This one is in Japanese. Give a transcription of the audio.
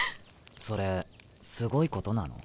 それすごいことなの？